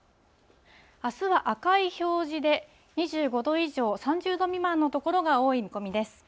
あすは赤い表示で、２５度以上、３０度未満の所が多い見込みです。